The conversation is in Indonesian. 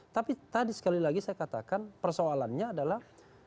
tapi tadi sekali lagi saya katakan persoalannya adalah